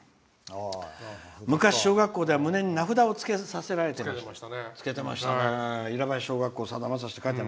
昔、小学校では胸に名札を付けさせられてました。